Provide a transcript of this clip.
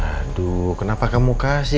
aduh kenapa kamu kasih